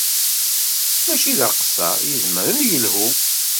Mačči d aqeṣṣer, yezmer ad yelḥu.